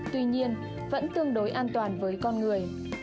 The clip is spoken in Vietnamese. tuy nhiên vẫn tương đối an toàn với con người